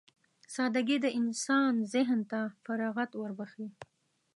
سادهګي د انسان ذهن ته فراغت وربښي.